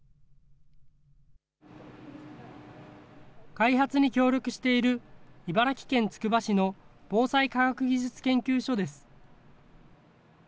開発に協力している、茨城県つくば市の防災科学技術研究所です。